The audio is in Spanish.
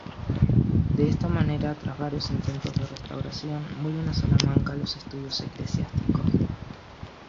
De esta manera, tras varios intentos de restauración, vuelven a Salamanca los Estudios Eclesiásticos.